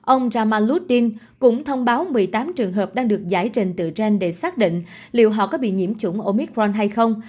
ông ramaloudin cũng thông báo một mươi tám trường hợp đang được giải trình từ trên để xác định liệu họ có bị nhiễm chủng omicron hay không